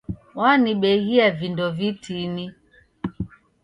Wanibeghia vindo vitini.